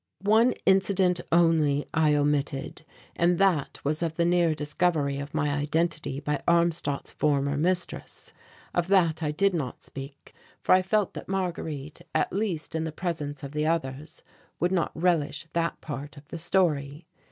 One incident only I omitted and that was of the near discovery of my identity by Armstadt's former mistress. Of that I did not speak for I felt that Marguerite, at least in the presence of the others, would not relish that part of the story.